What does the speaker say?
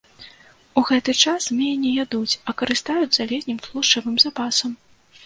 У гэты час змеі не ядуць, а карыстаюцца летнім тлушчавым запасам.